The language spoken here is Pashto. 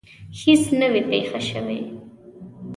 هیڅ نه وي پېښه شوې.